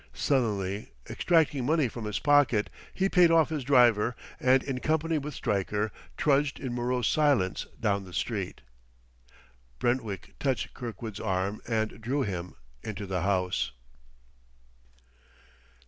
Sullenly extracting money from his pocket, he paid off his driver, and in company with Stryker, trudged in morose silence down the street. Brentwick touched Kirkwood's arm and drew him into the house.